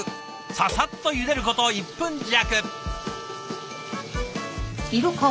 ササッとゆでること１分弱。